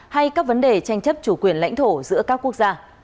hay các vấn đề tranh chấp chủ quyền lãnh thổ giữa các quốc gia